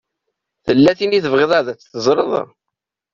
Tella tin i tebɣiḍ ad teẓṛeḍ?